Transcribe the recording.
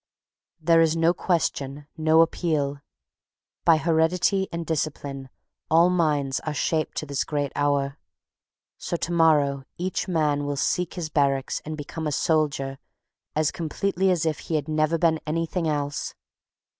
There is no question, no appeal. By heredity and discipline all minds are shaped to this great hour. So to morrow each man will seek his barracks and become a soldier as completely as if he had never been anything else.